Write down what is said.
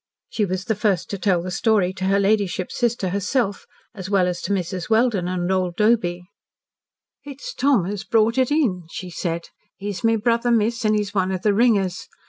She was the first to tell the story to her ladyship's sister herself, as well as to Mrs. Welden and old Doby. "It's Tom as brought it in," she said. "He's my brother, miss, an' he's one of the ringers.